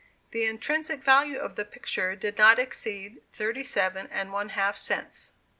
The intrinsic value of the picture did not exceed thirty seven and one half cents!